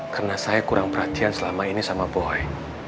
karena saya kurang perhatian selama ini sama boy